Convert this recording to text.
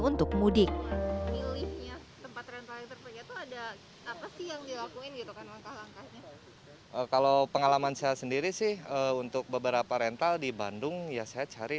untuk mudik kalau pengalaman saya sendiri sih untuk beberapa rental di bandung ya saya cari